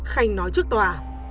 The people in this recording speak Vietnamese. khanh nói trước tòa